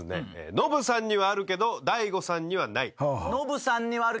ノブさんにはあるけど大悟さんにはない。